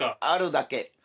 あるだけ。